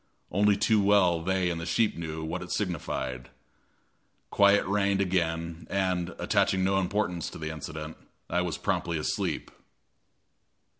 Only too well they and the sheep knew what it signified. Quiet reigned again, and, attaching no importance to the incident, I was promptly asleep.